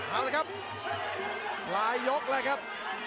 เอาเลยครับหลายยกเลยครับ